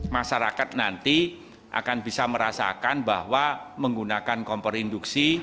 masyarakat nanti akan bisa merasakan bahwa menggunakan kompor induksi